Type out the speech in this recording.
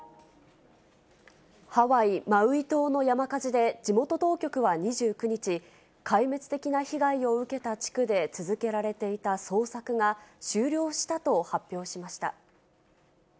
ハワイ・マウイ島の山火事で、地元当局は２９日、壊滅的な被害を受けた地区で続けられていた捜索が、終了したと発表しました。